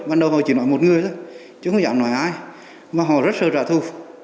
ban đầu họ chỉ nói một người thôi chứ không dám nói ai mà họ rất sợ trả thù